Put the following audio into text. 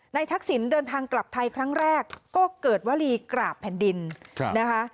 ทักษิณเดินทางกลับไทยครั้งแรกก็เกิดวลีกราบแผ่นดินนะคะ